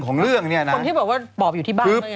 คนที่บอกว่าปอบอยู่ที่บ้าน